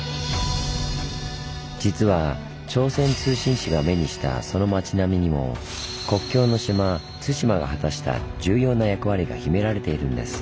実は朝鮮通信使が目にしたその町並みにも国境の島・対馬が果たした重要な役割が秘められているんです。